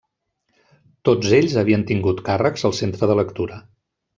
Tots ells havien tingut càrrecs al Centre de Lectura.